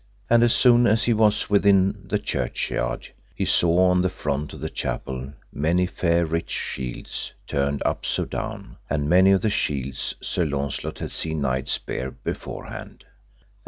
And as soon as he was within the churchyard he saw on the front of the chapel many fair rich shields turned up so down, and many of the shields Sir Launcelot had seen knights bear beforehand.